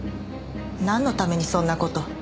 なんのためにそんな事。